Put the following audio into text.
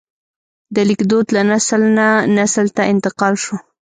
د لیک دود له نسل نه نسل ته انتقال شو.